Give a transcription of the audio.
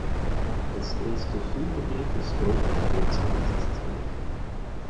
Das erste Fühlerglied ist deutlich kürzer als das zweite.